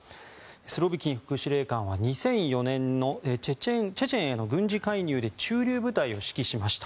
スロビキン副司令官は２００４年のチェチェンへの軍事介入で駐留部隊を指揮しました。